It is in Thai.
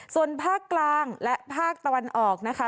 ส่วนภาคกลางและภาคตะวันออกนะคะ